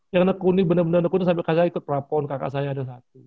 yang bener bener nekuni sambil ikut propon kakak saya